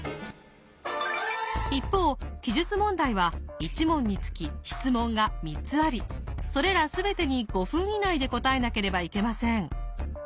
一方記述問題は１問につき質問が３つありそれら全てに５分以内で答えなければいけません。